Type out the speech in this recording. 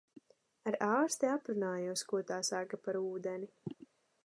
Ar ārsti aprunājos, ko tā saka par ūdeni.